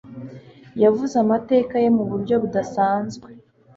Yavuze amateka ye muburyo budasanzwe.